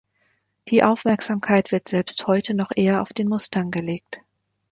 Die Aufmerksamkeit wird selbst heute noch eher auf den Mustang gelegt.